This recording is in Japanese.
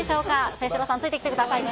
清史郎さん、ついてきてくださいね。